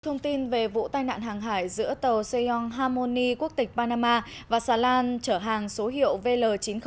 thông tin về vụ tai nạn hàng hải giữa tàu seyo harmony quốc tịch panama và xà lan trở hàng số hiệu vl chín nghìn chín